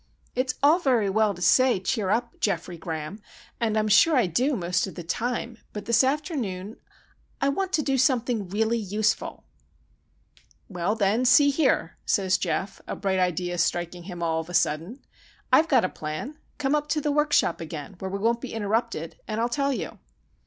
It's all very well to say 'cheer up,' Geoffrey Graham, and I'm sure I do most of the time, but this afternoon I want to do something really useful." "Well then, see here," says Geof, a bright idea striking him all of a sudden. "I've got a plan. Come up to the workshop again, where we won't be interrupted, and I'll tell you."